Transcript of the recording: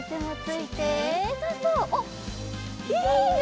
おっいいね！